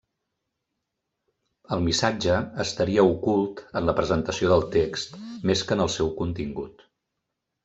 El missatge estaria ocult en la presentació del text, més que en el seu contingut.